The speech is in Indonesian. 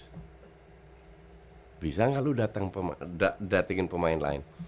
hai bisa ngalu datang pemakai datengin pemain lain